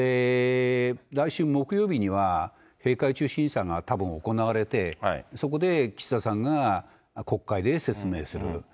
来週木曜日には、閉会中審査がたぶん行われて、そこで岸田さんが国会で説明する。